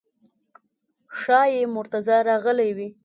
ښایي مرتضی راغلی وي.